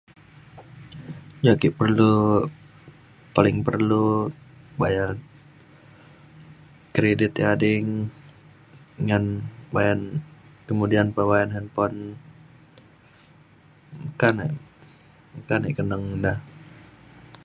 ya' ake perlu paling perlu bayan kredit ek ading ngan bayan kemudian pe bayan handphone meka ne meka nik keneng da.